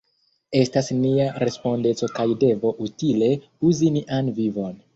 Estas nia respondeco kaj devo utile uzi nian vivon.